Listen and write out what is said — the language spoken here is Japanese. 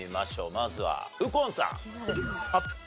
まずは右近さん。